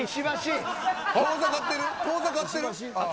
遠ざかってる。